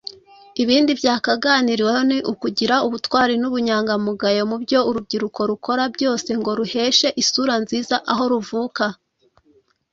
Ibindi byaganiriweho ni ukugira ubutwari n’ubunyangamugayo mu byo urubyiruko rukora byose ngo ruheshe isura nziza aho ruvuka